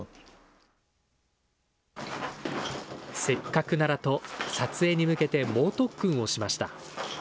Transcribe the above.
せっかくならと、撮影に向けて猛特訓をしました。